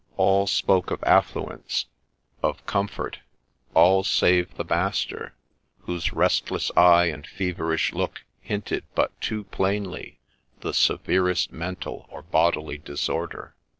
All spoke of affluence, of comfort, — all save the master, whose restless eye and feverish look hinted but too plainly the severest mental or bodily disorder.